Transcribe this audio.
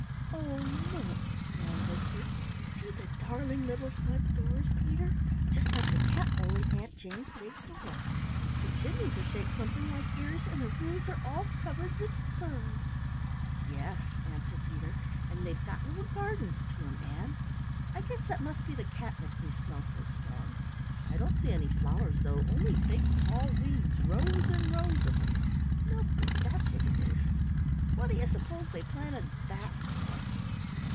"Oh, look," Ann whispered, "see the darling, little, front doors, Peter! Just like the cat hole in Aunt Jane's big door. The chimneys are shaped something like ears and the roofs are all covered with fur!" "Yes," answered Peter, "and they've got little gardens to 'em, Ann. I guess that must be the catnip we smell so strong. I don't see any flowers, though, only big tall weeds, rows and rows of 'em milkweed that's what it is! What do you suppose they planted that for?"